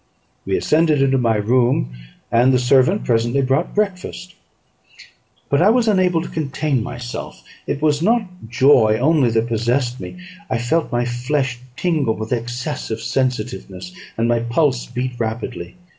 We ascended into my room, and the servant presently brought breakfast; but I was unable to contain myself. It was not joy only that possessed me; I felt my flesh tingle with excess of sensitiveness, and my pulse beat rapidly.